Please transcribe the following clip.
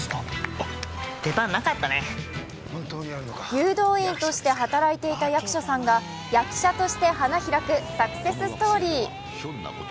誘導員として働いていた役所さんが役者として花開くサクセスストーリー。